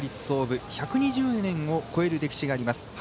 創部１２０年を超える歴史があります。